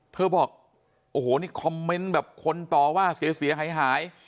เธอบอกโอ้โหนี่คอมเมนต์แบบคนต่อว่าเสียหายหาย